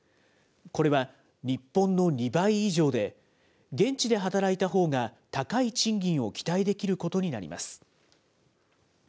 これは、日本の２倍以上で、現地で働いたほうが高い賃金を期待できることになります。